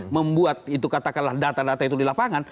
membuat itu katakanlah data data itu di lapangan